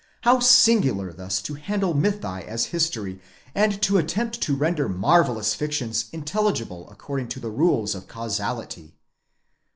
how singular thus to handle mythi as history, and to attempt to render marvellous fictions intelligible according to the rules of causality!"